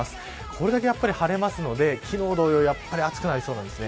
これだけ晴れるので昨日同様、暑くなりそうです。